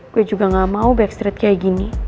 gue juga gak mau backstreet kaya gini